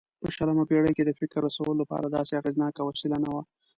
په شلمه پېړۍ کې د فکر رسولو لپاره داسې اغېزناکه وسیله نه وه.